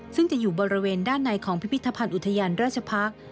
ซึ่งจะอยู่บริเวณด้านในของพิพิธภัณฑ์อุทยานราชพักษ์